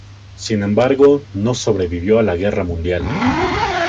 Sin embargo, no sobrevivió a la guerra mundial.